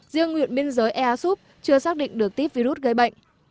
riêng huyện biên giới ea súp chưa xác định được típ virus gây bệnh